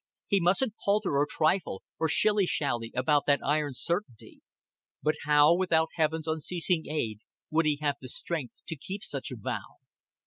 He mustn't palter, or trifle, or shilly shally about that iron certainty. But how without Heaven's unceasing aid would he have strength to keep such a vow?